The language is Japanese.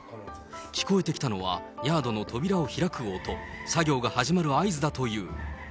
聞こえてきたのは、ヤードの扉を開く音、作業が始まる合図だという。